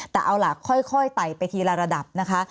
แต่เอาล่ะค่อยไต่ไปทีละระดับนะคะ